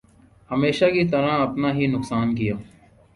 ہمیشہ کی طرح اپنا ہی نقصان کیا ۔